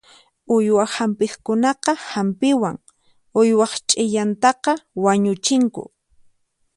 Uywa hampiqkunaqa hampiwan uywaq ch'iyantaqa wañuchinku.